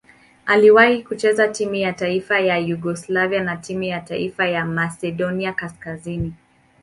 Aliwahi kucheza timu ya taifa ya Yugoslavia na timu ya taifa ya Masedonia Kaskazini.